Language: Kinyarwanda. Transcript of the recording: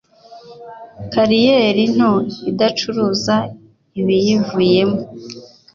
kariyeri nto idacuruza ibiyivuyemo